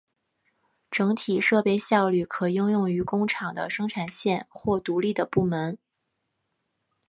整体设备效率可应用于工厂的生产线或独立的部门。